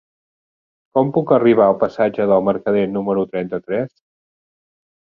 Com puc arribar al passatge de Mercader número trenta-tres?